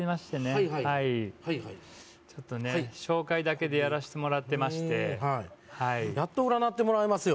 はいはいはいはいはいはいちょっとね紹介だけでやらせてもらってましてはいやっと占ってもらえますよ